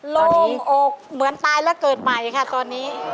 อกเหมือนตายแล้วเกิดใหม่ค่ะตอนนี้